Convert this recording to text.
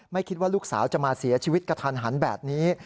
คิดว่าลูกสาวจะมาเสียชีวิตกระทันหันแบบนี้